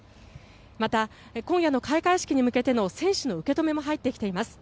また、今夜の開会式に向けての選手の受け止めも入ってきています。